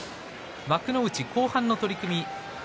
幕内後半の取組。